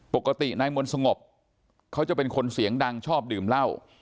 ปกตินายมนต์สงบเขาจะเป็นคนเสียงดังชอบดื่มเหล้า